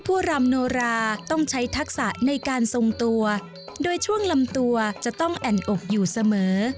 รำโนราต้องใช้ทักษะในการทรงตัวโดยช่วงลำตัวจะต้องแอ่นอกอยู่เสมอ